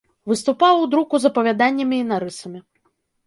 Выступаў у друку з апавяданнямі і нарысамі.